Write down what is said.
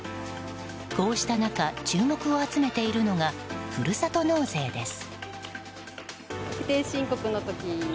こうした中注目を集めているのがふるさと納税です。